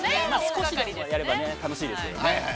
◆少しでもやれば楽しいですけどね。